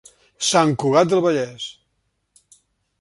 Sant Cugat del Vallès.